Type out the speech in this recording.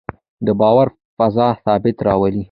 د باور فضا ثبات راولي